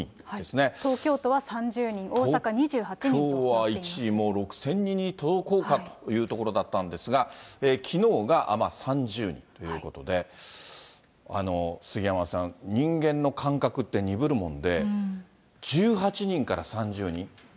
東京都は３０人、大阪２８人東京は一時、もう６０００人に届こうかというところだったんですが、きのうが３０人ということで、杉山さん、人間の感覚って鈍るもんで、１８人から３０人。